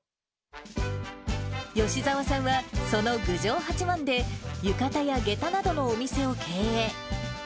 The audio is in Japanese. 吉澤さんはその郡上八幡で、浴衣やげたなどのお店を経営。